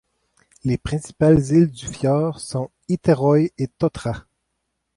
Les principales îles du fjord sont Ytterøy et Tautra.